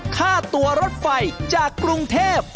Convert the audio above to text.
ค่าตัวรถไฟจากกรุงเทพ